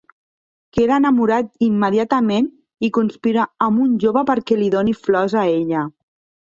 Queda enamorat immediatament i conspira amb un jove perquè li doni flors a ella.